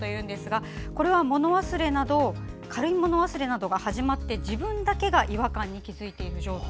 これは、軽いもの忘れなどが始まって自分だけが違和感に気付いている状態。